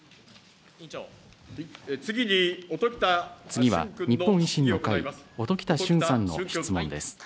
次は日本維新の会、音喜多駿さんの質問です。